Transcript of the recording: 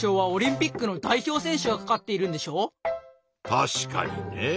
確かにねぇ。